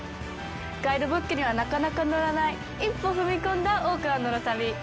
ガイドブックにはなかなか載らない一歩踏み込んだオークランドの旅。